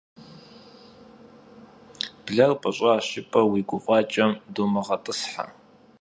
Bler «p'ış'aş» jjıp'eu vui guf'aç'em dumığet'ıshe.